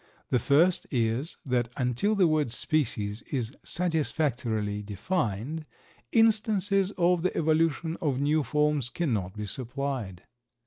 The first is that until the word "species" is satisfactorily defined, instances of the evolution of new forms cannot be supplied.